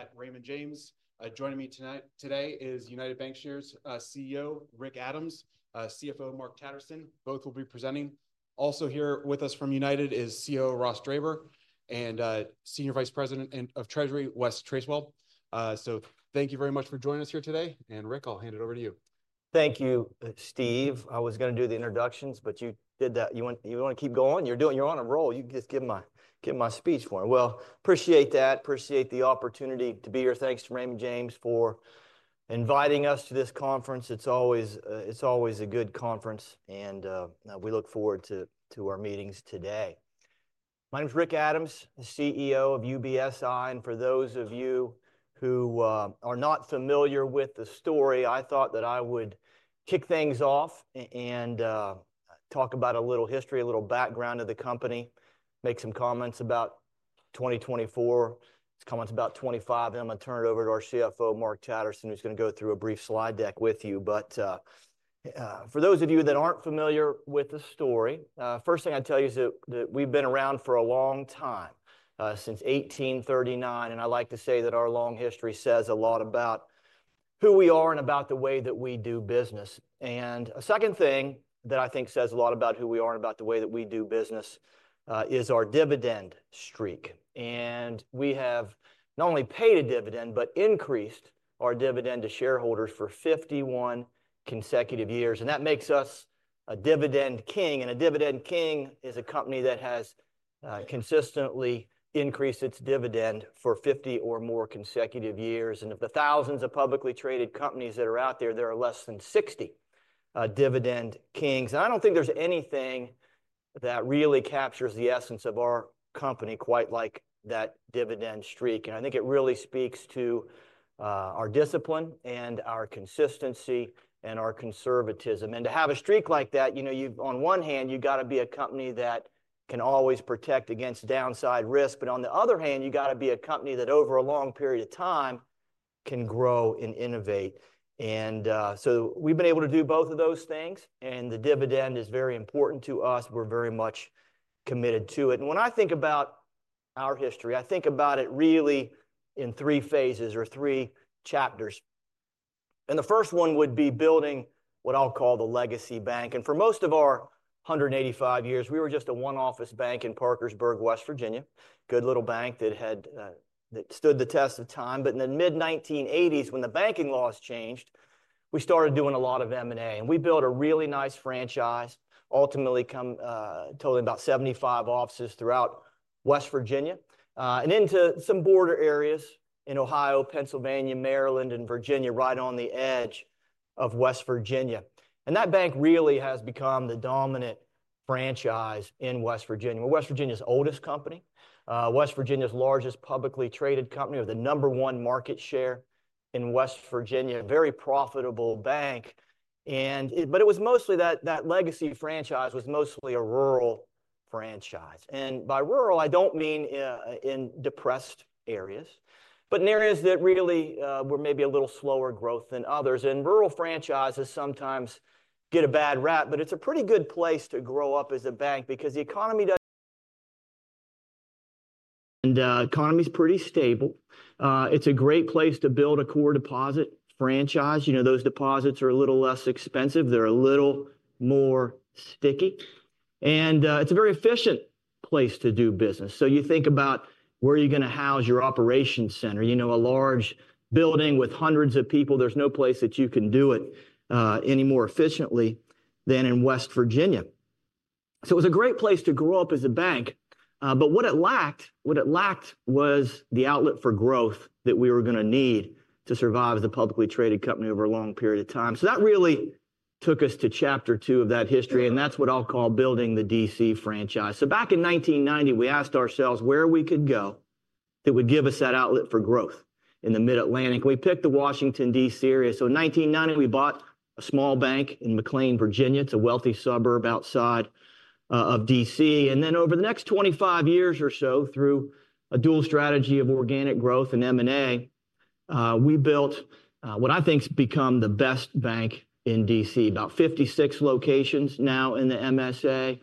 At Raymond James. Joining me tonight today is United Bankshares CEO Rick Adams, CFO Mark Tatterson. Both will be presenting. Also here with us from United is COO Ross Draber and Senior Vice President of Treasury Wes Tracewell. So thank you very much for joining us here today. And Rick, I'll hand it over to you. Thank you, Steve. I was going to do the introductions, but you did that. You want to keep going? You're doing honorably. You can just give my speech for me. Well, appreciate that. Appreciate the opportunity to be here. Thanks to Raymond James for inviting us to this conference. It's always a good conference, and we look forward to our meetings today. My name is Rick Adams, the CEO of UBSI. And for those of you who are not familiar with the story, I thought that I would kick things off and talk about a little history, a little background of the company, make some comments about 2024, some comments about 2025. And I'm going to turn it over to our CFO, Mark Tatterson, who's going to go through a brief slide deck with you. But for those of you that aren't familiar with the story, the first thing I tell you is that we've been around for a long time, since 1839. And I like to say that our long history says a lot about who we are and about the way that we do business. And a second thing that I think says a lot about who we are and about the way that we do business is our dividend streak. And we have not only paid a dividend, but increased our dividend to shareholders for 51 consecutive years. And that makes us a Dividend King. And a Dividend King is a company that has consistently increased its dividend for 50 or more consecutive years. And of the thousands of publicly traded companies that are out there, there are less than 60 Dividend Kings. I don't think there's anything that really captures the essence of our company quite like that dividend streak. And I think it really speaks to our discipline and our consistency and our conservatism. And to have a streak like that, you know, on one hand, you've got to be a company that can always protect against downside risk. But on the other hand, you've got to be a company that over a long period of time can grow and innovate. And so we've been able to do both of those things. And the dividend is very important to us. We're very much committed to it. And when I think about our history, I think about it really in three phases or three chapters. And the first one would be building what I'll call the legacy bank. And for most of our 185 years, we were just a one-office bank in Parkersburg, West Virginia, a good little bank that stood the test of time. But in the mid-1980s, when the banking laws changed, we started doing a lot of M&A. And we built a really nice franchise, ultimately totally about 75 offices throughout West Virginia and into some border areas in Ohio, Pennsylvania, Maryland, and Virginia, right on the edge of West Virginia. And that bank really has become the dominant franchise in West Virginia. We're West Virginia's oldest company, West Virginia's largest publicly traded company, with the number one market share in West Virginia, a very profitable bank. But it was mostly that legacy franchise was mostly a rural franchise. And by rural, I don't mean in depressed areas, but in areas that really were maybe a little slower growth than others. Rural franchises sometimes get a bad rap. It's a pretty good place to grow up as a bank because the economy is pretty stable. It's a great place to build a core deposit franchise. You know, those deposits are a little less expensive. They're a little more sticky. It's a very efficient place to do business. You think about where you're going to house your operations center, you know, a large building with hundreds of people. There's no place that you can do it any more efficiently than in West Virginia. It was a great place to grow up as a bank. What it lacked was the outlet for growth that we were going to need to survive as a publicly traded company over a long period of time. That really took us to chapter two of that history. And that's what I'll call building the D.C. franchise. So back in 1990, we asked ourselves where we could go that would give us that outlet for growth in the Mid-Atlantic. We picked the Washington D.C. area. So in 1990, we bought a small bank in McLean, Virginia. It's a wealthy suburb outside of D.C.. And then over the next 25 years or so, through a dual strategy of organic growth and M&A, we built what I think has become the best bank in D.C., about 56 locations now in the MSA.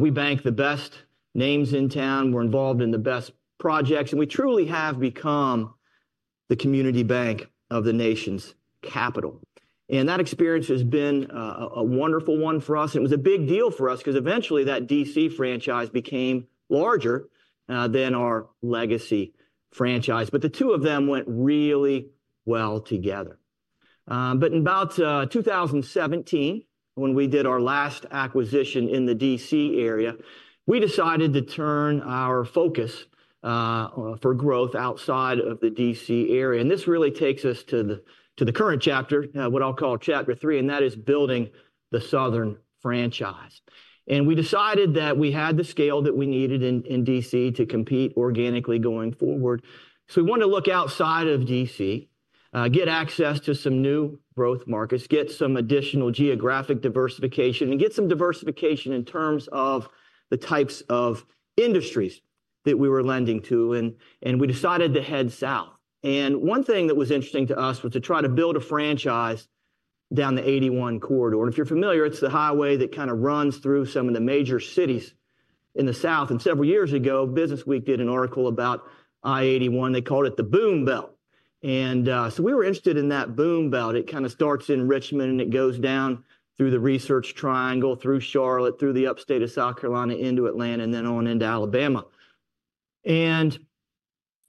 We bank the best names in town. We're involved in the best projects. And we truly have become the community bank of the nation's capital. And that experience has been a wonderful one for us. It was a big deal for us because eventually that D.C. franchise became larger than our legacy franchise. But the two of them went really well together. But in about 2017, when we did our last acquisition in the D.C. area, we decided to turn our focus for growth outside of the D.C. area. And this really takes us to the current chapter, what I'll call chapter three. And that is building the southern franchise. And we decided that we had the scale that we needed in D.C. to compete organically going forward. So we wanted to look outside of D.C., get access to some new growth markets, get some additional geographic diversification, and get some diversification in terms of the types of industries that we were lending to. And we decided to head south. And one thing that was interesting to us was to try to build a franchise down the 81 corridor. And if you're familiar, it's the highway that kind of runs through some of the major cities in the south. And several years ago, Businessweek did an article about I-81. They called it the Boom Belt. And so we were interested in that Boom Belt. It kind of starts in Richmond, and it goes down through the Research Triangle, through Charlotte, through the upstate of South Carolina, into Atlanta, and then on into Alabama. And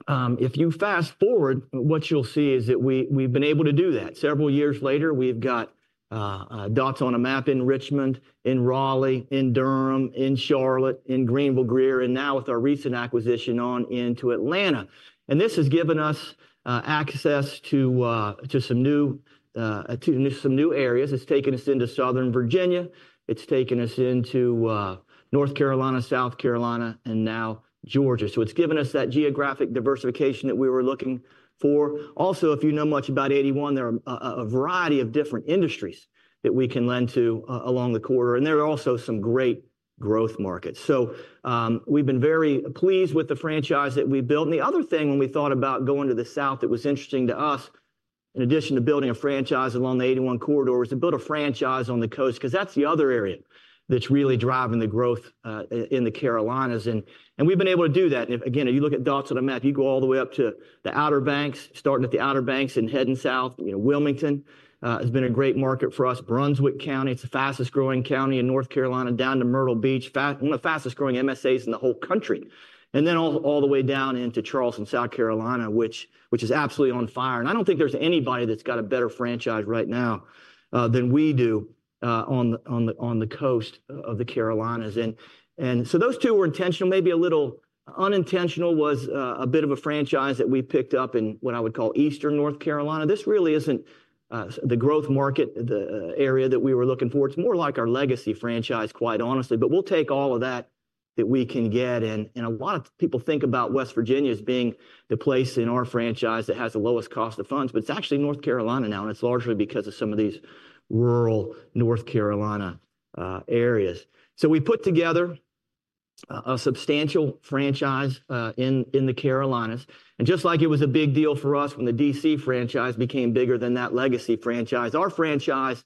if you fast forward, what you'll see is that we've been able to do that. Several years later, we've got dots on a map in Richmond, in Raleigh, in Durham, in Charlotte, in Greenville, Greer, and now with our recent acquisition on into Atlanta. And this has given us access to some new areas. It's taken us into southern Virginia. It's taken us into North Carolina, South Carolina, and now Georgia. So it's given us that geographic diversification that we were looking for. Also, if you know much about 81, there are a variety of different industries that we can lend to along the corridor. And there are also some great growth markets. So we've been very pleased with the franchise that we built. And the other thing when we thought about going to the south that was interesting to us, in addition to building a franchise along the 81 corridor, was to build a franchise on the coast because that's the other area that's really driving the growth in the Carolinas. And we've been able to do that. And again, you look at dots on a map, you go all the way up to the Outer Banks, starting at the Outer Banks and heading south. Wilmington has been a great market for us. Brunswick County, it's the fastest growing county in North Carolina, down to Myrtle Beach, one of the fastest growing MSAs in the whole country. And then all the way down into Charleston, South Carolina, which is absolutely on fire. And I don't think there's anybody that's got a better franchise right now than we do on the coast of the Carolinas. And so those two were intentional. Maybe a little unintentional was a bit of a franchise that we picked up in what I would call eastern North Carolina. This really isn't the growth market, the area that we were looking for. It's more like our legacy franchise, quite honestly. But we'll take all of that that we can get. And a lot of people think about West Virginia as being the place in our franchise that has the lowest cost of funds. But it's actually North Carolina now. And it's largely because of some of these rural North Carolina areas. So we put together a substantial franchise in the Carolinas. And just like it was a big deal for us when the D.C. franchise became bigger than that legacy franchise, our franchise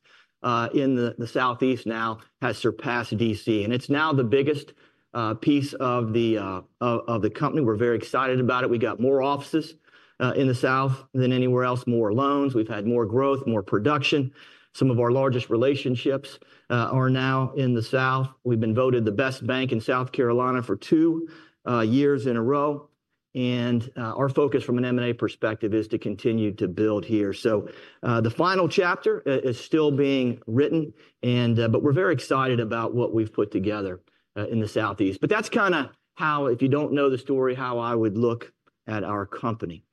in the southeast now has surpassed D.C.. And it's now the biggest piece of the company. We're very excited about it. We got more offices in the south than anywhere else, more loans. We've had more growth, more production. Some of our largest relationships are now in the south. We've been voted the best bank in South Carolina for two years in a row. And our focus from an M&A perspective is to continue to build here. So the final chapter is still being written. But we're very excited about what we've put together in the southeast. But that's kind of how, if you don't know the story, how I would look at our company.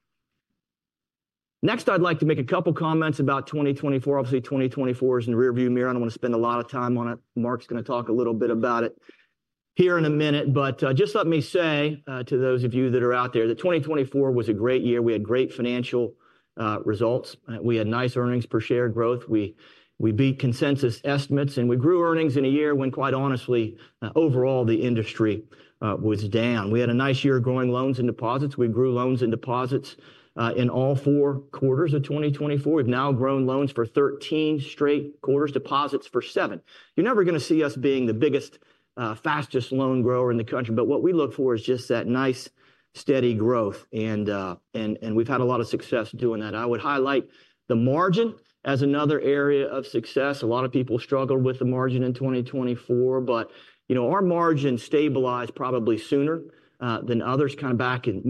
Next, I'd like to make a couple of comments about 2024. Obviously, 2024 is in the rearview mirror. I don't want to spend a lot of time on it. Mark's going to talk a little bit about it here in a minute. But just let me say to those of you that are out there that 2024 was a great year. We had great financial results. We had nice earnings per share growth. We beat consensus estimates. And we grew earnings in a year when, quite honestly, overall, the industry was down. We had a nice year growing loans and deposits. We grew loans and deposits in all four quarters of 2024. We've now grown loans for 13 straight quarters, deposits for seven. You're never going to see us being the biggest, fastest loan grower in the country. But what we look for is just that nice, steady growth. And we've had a lot of success doing that. I would highlight the margin as another area of success. A lot of people struggled with the margin in 2024. But our margin stabilized probably sooner than others. Kind of back in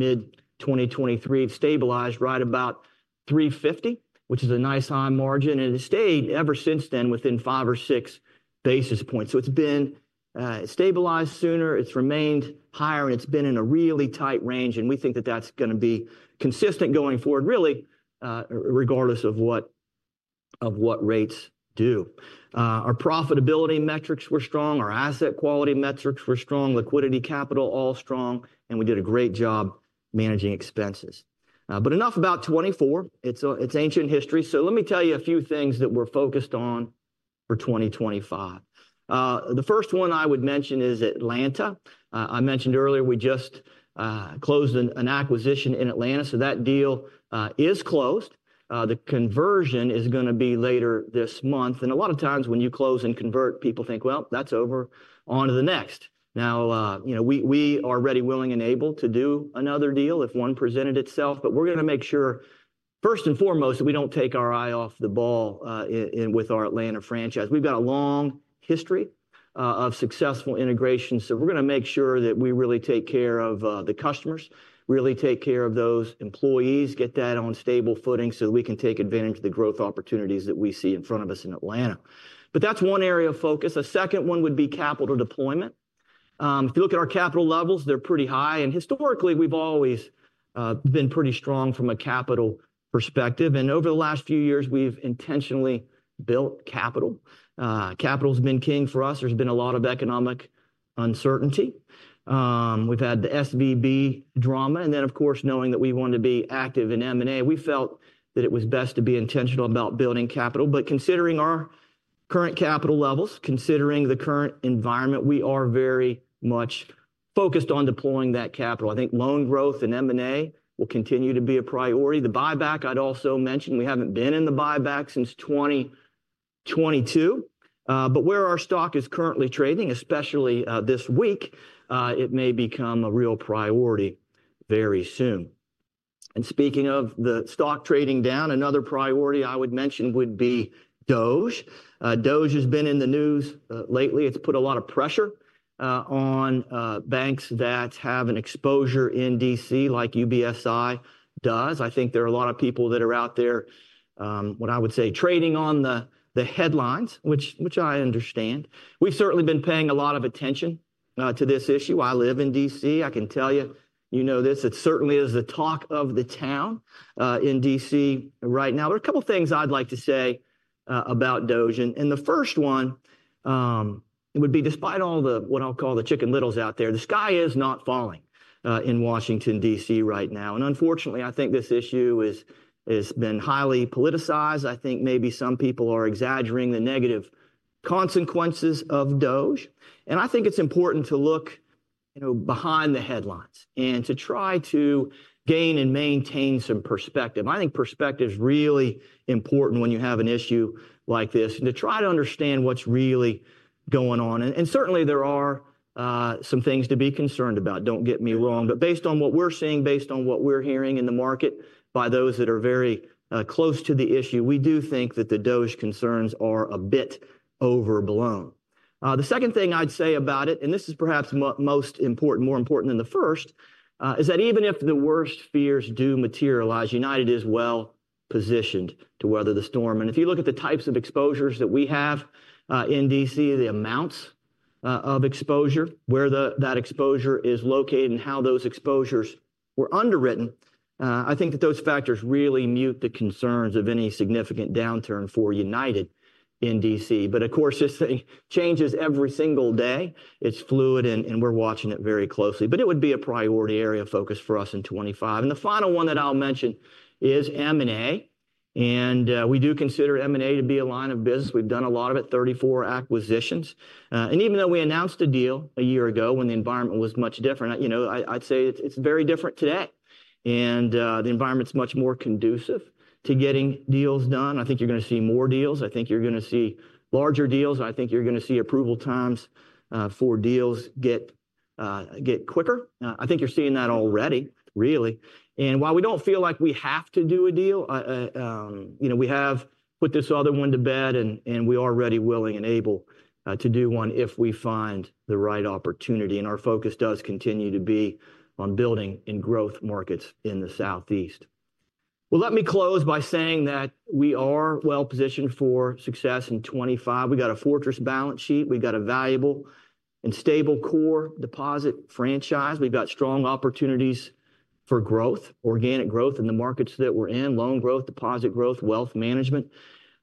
mid-2023, it stabilized right about 350, which is a nice high margin. And it stayed ever since then within five or six basis points. So it's been stabilized sooner. It's remained higher. And it's been in a really tight range. And we think that that's going to be consistent going forward, really, regardless of what rates do. Our profitability metrics were strong. Our asset quality metrics were strong. Liquidity capital all strong. And we did a great job managing expenses. But enough about '24. It's ancient history. So let me tell you a few things that we're focused on for 2025. The first one I would mention is Atlanta. I mentioned earlier we just closed an acquisition in Atlanta. So that deal is closed. The conversion is going to be later this month. And a lot of times when you close and convert, people think, "Well, that's over. On to the next." Now, we are ready, willing, and able to do another deal if one presented itself. But we're going to make sure, first and foremost, that we don't take our eye off the ball with our Atlanta franchise. We've got a long history of successful integration. So we're going to make sure that we really take care of the customers, really take care of those employees, get that on stable footing so that we can take advantage of the growth opportunities that we see in front of us in Atlanta. But that's one area of focus. A second one would be capital deployment. If you look at our capital levels, they're pretty high. And historically, we've always been pretty strong from a capital perspective. And over the last few years, we've intentionally built capital. Capital has been king for us. There's been a lot of economic uncertainty. We've had the SVB drama. And then, of course, knowing that we wanted to be active in M&A, we felt that it was best to be intentional about building capital. But considering our current capital levels, considering the current environment, we are very much focused on deploying that capital. I think loan growth and M&A will continue to be a priority. The buyback, I'd also mentioned, we haven't been in the buyback since 2022, but where our stock is currently trading, especially this week, it may become a real priority very soon, and speaking of the stock trading down, another priority I would mention would be DOGE. DOGE has been in the news lately. It's put a lot of pressure on banks that have an exposure in D.C., like UBSI does. I think there are a lot of people that are out there, what I would say, trading on the headlines, which I understand. We've certainly been paying a lot of attention to this issue. I live in D.C. I can tell you, you know this. It certainly is the talk of the town in D.C. right now. There are a couple of things I'd like to say about DOGE, and the first one would be, despite all the, what I'll call the Chicken Littles out there, the sky is not falling in Washington, D.C. right now, and unfortunately, I think this issue has been highly politicized. I think maybe some people are exaggerating the negative consequences of DOGE, and I think it's important to look behind the headlines and to try to gain and maintain some perspective. I think perspective is really important when you have an issue like this, and to try to understand what's really going on, and certainly, there are some things to be concerned about. Don't get me wrong, but based on what we're seeing, based on what we're hearing in the market by those that are very close to the issue, we do think that the DOGE concerns are a bit overblown. The second thing I'd say about it, and this is perhaps more important than the first, is that even if the worst fears do materialize, United is well positioned to weather the storm. And if you look at the types of exposures that we have in D.C., the amounts of exposure, where that exposure is located, and how those exposures were underwritten, I think that those factors really mute the concerns of any significant downturn for United in D.C.. But of course, this thing changes every single day. It's fluid, and we're watching it very closely. But it would be a priority area of focus for us in 2025. And the final one that I'll mention is M&A. And we do consider M&A to be a line of business. We've done a lot of it, 34 acquisitions. Even though we announced a deal a year ago when the environment was much different, I'd say it's very different today. The environment's much more conducive to getting deals done. I think you're going to see more deals. I think you're going to see larger deals. I think you're going to see approval times for deals get quicker. I think you're seeing that already, really. While we don't feel like we have to do a deal, we have put this other one to bed, and we are ready, willing, and able to do one if we find the right opportunity. Our focus does continue to be on building and growth markets in the southeast. Let me close by saying that we are well-positioned for success in 2025. We've got a fortress balance sheet. We've got a valuable and stable core deposit franchise. We've got strong opportunities for growth, organic growth in the markets that we're in, loan growth, deposit growth, wealth management.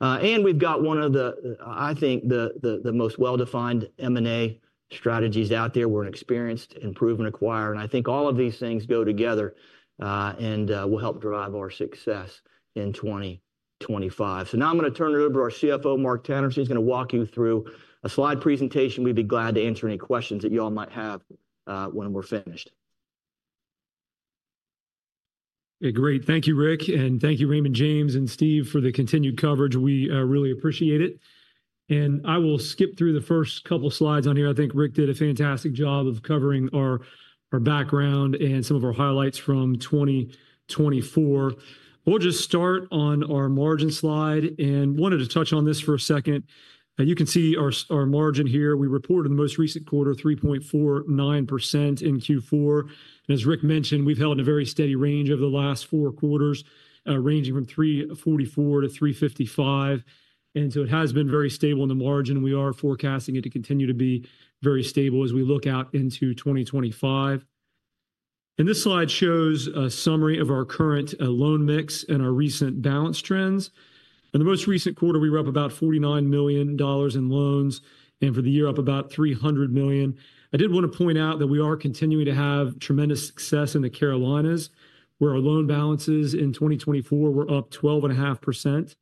And we've got one of the, I think, the most well-defined M&A strategies out there. We're an experienced, improved acquirer. And I think all of these things go together and will help drive our success in 2025. So now I'm going to turn it over to our CFO, Mark Tatterson. He's going to walk you through a slide presentation. We'd be glad to answer any questions that you all might have when we're finished. Okay, great. Thank you, Rick. And thank you, Raymond James and Steve, for the continued coverage. We really appreciate it. And I will skip through the first couple of slides on here. I think Rick did a fantastic job of covering our background and some of our highlights from 2024. We'll just start on our margin slide. Wanted to touch on this for a second. You can see our margin here. We reported the most recent quarter, 3.49% in Q4. As Rick mentioned, we've held in a very steady range over the last four quarters, ranging from 3.44%-3.55%. So it has been very stable in the margin. We are forecasting it to continue to be very stable as we look out into 2025. This slide shows a summary of our current loan mix and our recent balance trends. In the most recent quarter, we were up about $49 million in loans. For the year, up about $300 million. I did want to point out that we are continuing to have tremendous success in the Carolinas, where our loan balances in 2024 were up 12.5%.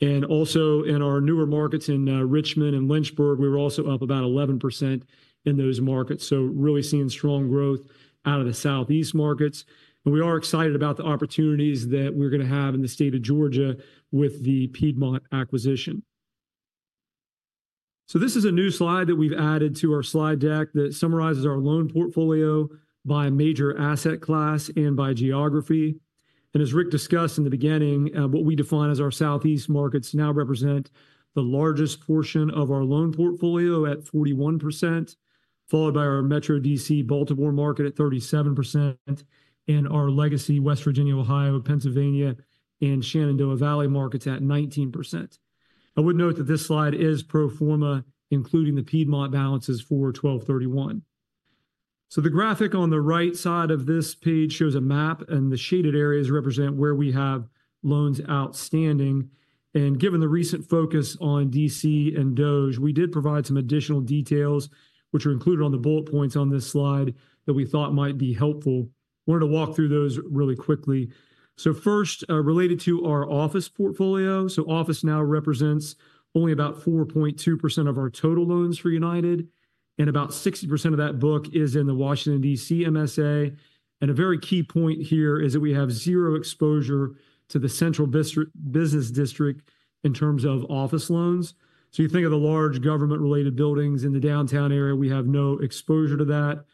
And also in our newer markets in Richmond and Lynchburg, we were also up about 11% in those markets. So really seeing strong growth out of the southeast markets. And we are excited about the opportunities that we're going to have in the state of Georgia with the Piedmont acquisition. So this is a new slide that we've added to our slide deck that summarizes our loan portfolio by major asset class and by geography. And as Rick discussed in the beginning, what we define as our southeast markets now represent the largest portion of our loan portfolio at 41%, followed by our Metro D.C. Baltimore market at 37%, and our legacy West Virginia, Ohio, Pennsylvania, and Shenandoah Valley markets at 19%. I would note that this slide is pro forma, including the Piedmont balances for 12/31. So the graphic on the right side of this page shows a map, and the shaded areas represent where we have loans outstanding. And given the recent focus on D.C. and DOGE, we did provide some additional details, which are included on the bullet points on this slide that we thought might be helpful. Wanted to walk through those really quickly. So first, related to our office portfolio. So office now represents only about 4.2% of our total loans for United, and about 60% of that book is in the Washington, D.C. MSA. And a very key point here is that we have zero exposure to the Central Business District in terms of office loans. So you think of the large government-related buildings in the downtown area, we have no exposure to that.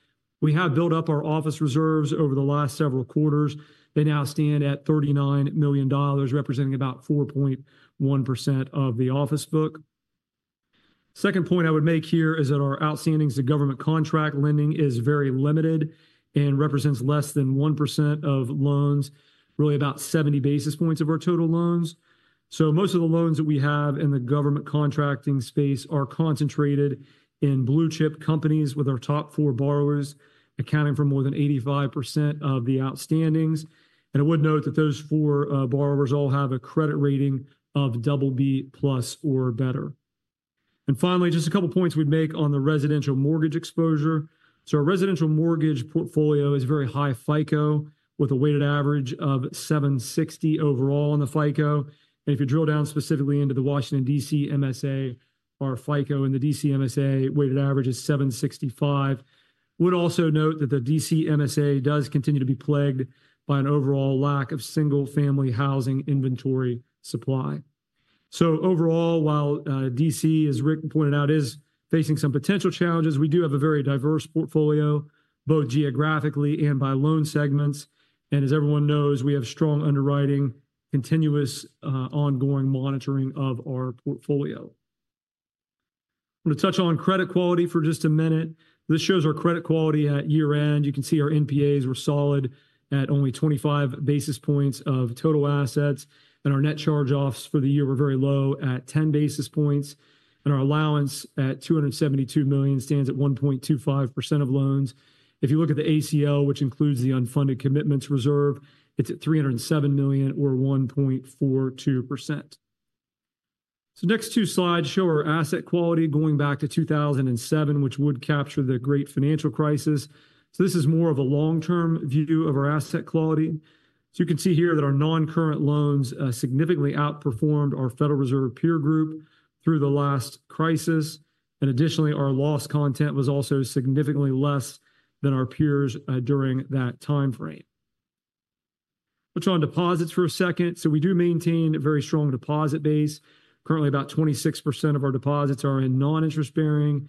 We have built up our office reserves over the last several quarters. They now stand at $39 million, representing about 4.1% of the office book. Second point I would make here is that our outstandings to government contract lending is very limited and represents less than 1% of loans, really about 70 basis points of our total loans, so most of the loans that we have in the government contracting space are concentrated in blue-chip companies with our top four borrowers accounting for more than 85% of the outstandings, and I would note that those four borrowers all have a credit rating of BB+ or better, and finally, just a couple of points we'd make on the residential mortgage exposure, so our residential mortgage portfolio is very high FICO, with a weighted average of 760 overall on the FICO, and if you drill down specifically into the Washington, D.C. MSA, our FICO in the D.C. MSA weighted average is 765. Would also note that the D.C. MSA does continue to be plagued by an overall lack of single-family housing inventory supply. So overall, while D.C., as Rick pointed out, is facing some potential challenges, we do have a very diverse portfolio, both geographically and by loan segments. And as everyone knows, we have strong underwriting, continuous ongoing monitoring of our portfolio. I want to touch on credit quality for just a minute. This shows our credit quality at year-end. You can see our NPAs were solid at only 25 basis points of total assets. And our net charge-offs for the year were very low at 10 basis points. And our allowance at $272 million stands at 1.25% of loans. If you look at the ACL, which includes the unfunded commitments reserve, it's at $307 million or 1.42%. The next two slides show our asset quality going back to 2007, which would capture the Great Financial Crisis. This is more of a long-term view of our asset quality. You can see here that our non-current loans significantly outperformed our Federal Reserve peer group through the last crisis. Additionally, our loss content was also significantly less than our peers during that timeframe. Let's turn on deposits for a second. We do maintain a very strong deposit base. Currently, about 26% of our deposits are in non-interest-bearing.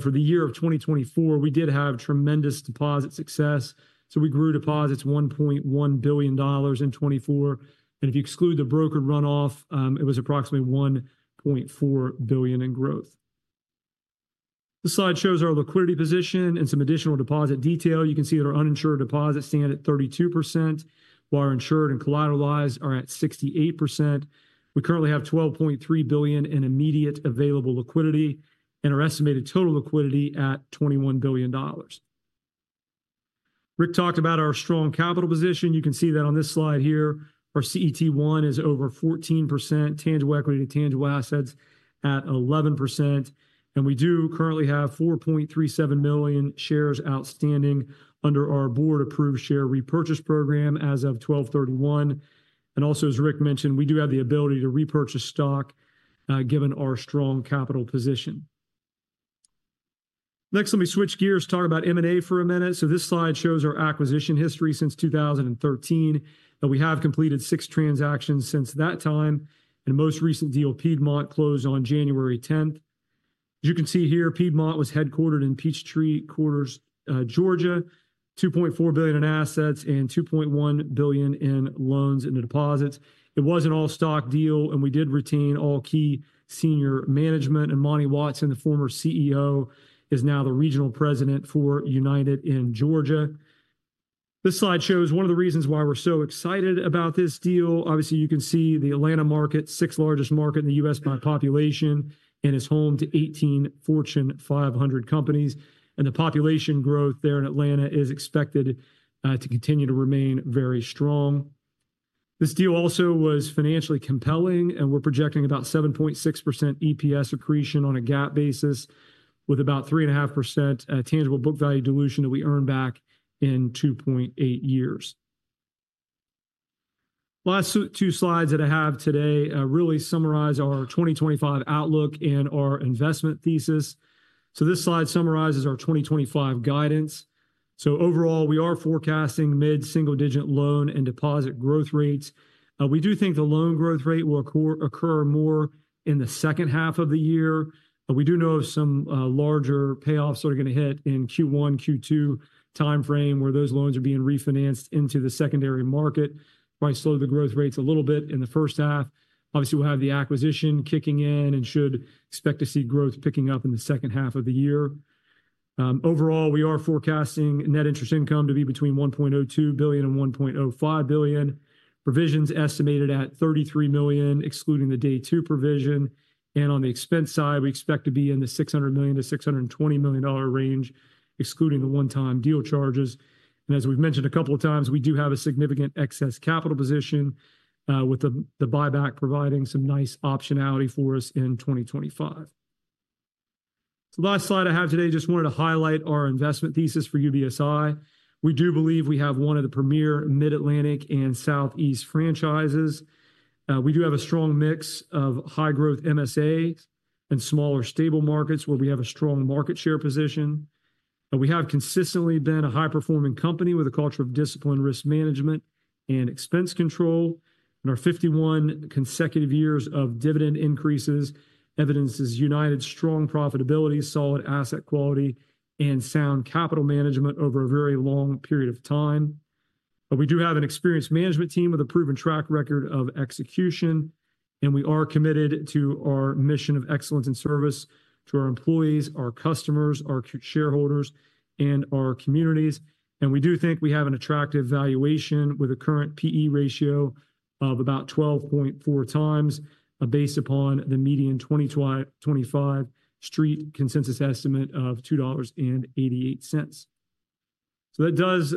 For the year of 2024, we did have tremendous deposit success. We grew deposits $1.1 billion in 2024. If you exclude the brokered runoff, it was approximately $1.4 billion in growth. This slide shows our liquidity position and some additional deposit detail. You can see that our uninsured deposits stand at 32%, while our insured and collateralized are at 68%. We currently have $12.3 billion in immediate available liquidity and our estimated total liquidity at $21 billion. Rick talked about our strong capital position. You can see that on this slide here. Our CET1 is over 14%, tangible equity to tangible assets at 11%. And we do currently have 4.37 million shares outstanding under our board-approved share repurchase program as of 12/31. And also, as Rick mentioned, we do have the ability to repurchase stock given our strong capital position. Next, let me switch gears and talk about M&A for a minute. So this slide shows our acquisition history since 2013. We have completed six transactions since that time. And most recent deal, Piedmont, closed on January 10th. As you can see here, Piedmont was headquartered in Peachtree Corners, Georgia, $2.4 billion in assets and $2.1 billion in loans and deposits. It was an all-stock deal, and we did retain all key senior management, and Monty Watson, the former CEO, is now the regional president for United in Georgia. This slide shows one of the reasons why we're so excited about this deal. Obviously, you can see the Atlanta market, sixth largest market in the U.S. by population, and is home to 18 Fortune 500 companies, and the population growth there in Atlanta is expected to continue to remain very strong. This deal also was financially compelling, and we're projecting about 7.6% EPS accretion on a GAAP basis, with about 3.5% tangible book value dilution that we earn back in 2.8 years. Last two slides that I have today really summarize our 2025 outlook and our investment thesis. This slide summarizes our 2025 guidance. Overall, we are forecasting mid-single-digit loan and deposit growth rates. We do think the loan growth rate will occur more in the second half of the year. We do know of some larger payoffs that are going to hit in Q1, Q2 timeframe, where those loans are being refinanced into the secondary market. Might slow the growth rates a little bit in the first half. Obviously, we'll have the acquisition kicking in and should expect to see growth picking up in the second half of the year. Overall, we are forecasting net interest income to be between $1.02 billion and $1.05 billion. Provisions estimated at $33 million, excluding the Day 2 provision. On the expense side, we expect to be in the $600 million-$620 million range, excluding the one-time deal charges. And as we've mentioned a couple of times, we do have a significant excess capital position, with the buyback providing some nice optionality for us in 2025. So last slide I have today, just wanted to highlight our investment thesis for UBSI. We do believe we have one of the premier Mid-Atlantic and Southeast franchises. We do have a strong mix of high-growth MSAs and smaller stable markets where we have a strong market share position. We have consistently been a high-performing company with a culture of discipline, risk management, and expense control. In our 51 consecutive years of dividend increases, evidence is United's strong profitability, solid asset quality, and sound capital management over a very long period of time. We do have an experienced management team with a proven track record of execution. We are committed to our mission of excellence and service to our employees, our customers, our shareholders, and our communities. We do think we have an attractive valuation with a current P/E ratio of about 12.4x, based upon the median 2025 Street consensus estimate of $2.88. That does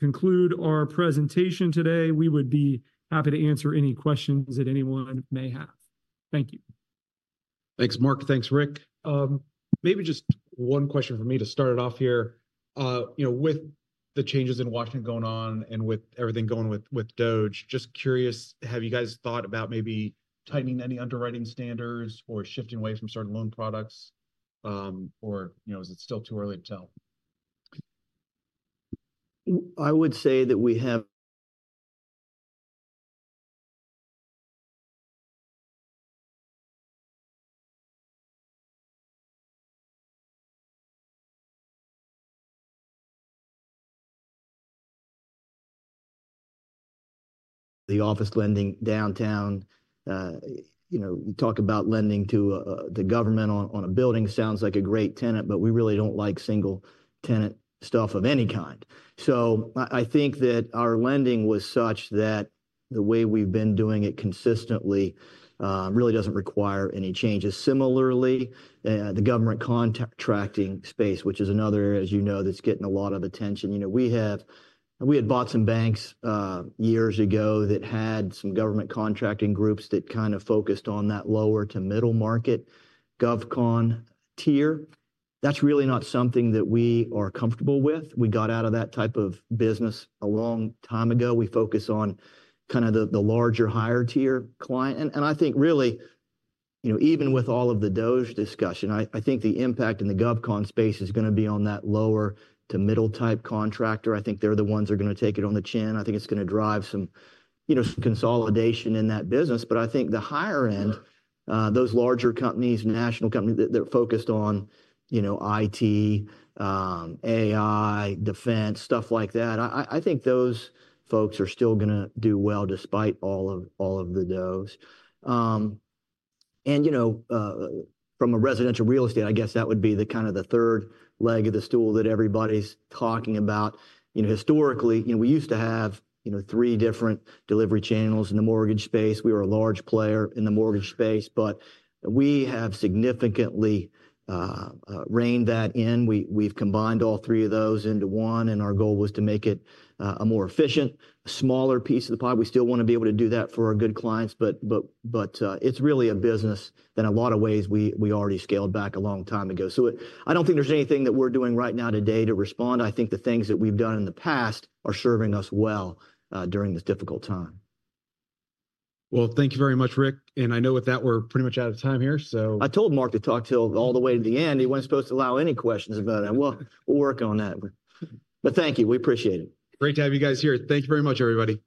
conclude our presentation today. We would be happy to answer any questions that anyone may have. Thank you. Thanks, Mark. Thanks, Rick. Maybe just one question for me to start it off here. With the changes in Washington going on and with everything going with DOGE, just curious, have you guys thought about maybe tightening any underwriting standards or shifting away from certain loan products? Or is it still too early to tell? I would say that we have. The office lending downtown, you talk about lending to the government on a building, sounds like a great tenant, but we really don't like single-tenant stuff of any kind. So I think that our lending was such that the way we've been doing it consistently really doesn't require any changes. Similarly, the government contracting space, which is another, as you know, that's getting a lot of attention. We had bought some banks years ago that had some government contracting groups that kind of focused on that lower to middle market, GovCon tier. That's really not something that we are comfortable with. We got out of that type of business a long time ago. We focus on kind of the larger higher-tier client. And I think really, even with all of the DOGE discussion, I think the impact in the GovCon space is going to be on that lower to middle-type contractor. I think they're the ones that are going to take it on the chin. I think it's going to drive some consolidation in that business. But I think the higher end, those larger companies, national companies that are focused on IT, AI, defense, stuff like that, I think those folks are still going to do well despite all of the DOGE. And from a residential real estate, I guess that would be the kind of the third leg of the stool that everybody's talking about. Historically, we used to have three different delivery channels in the mortgage space. We were a large player in the mortgage space, but we have significantly reined that in. We've combined all three of those into one, and our goal was to make it a more efficient, smaller piece of the pie. We still want to be able to do that for our good clients, but it's really a business that in a lot of ways, we already scaled back a long time ago. So I don't think there's anything that we're doing right now today to respond. I think the things that we've done in the past are serving us well during this difficult time. Well, thank you very much, Rick. And I know with that, we're pretty much out of time here, so. I told Mark to talk till all the way to the end. He wasn't supposed to allow any questions about it. We'll work on that. But thank you. We appreciate it. Great to have you guys here. Thank you very much, everybody.